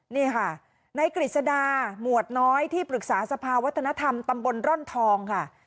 นี่ค่ะในกฤษดาหมวดน้อยที่ปรึกษาสภาวัฒนธรรมตำบลร่อนทองค่ะ